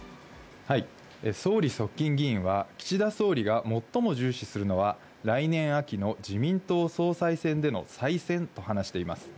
総理側近議員は、岸田総理が最も重視するのは、来年秋の自民党総裁選での再選と話しています。